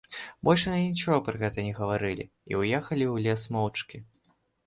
Больш яны нічога пра гэта не гаварылі і ўехалі ў лес моўчкі.